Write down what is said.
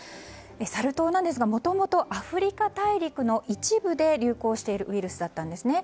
サル痘なんですがもともとアフリカ大陸の一部で流行しているウイルスだったんですね。